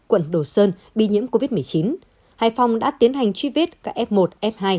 quận đồ sơn bị nhiễm covid một mươi chín hải phòng đã tiến hành truy vết ca f một f hai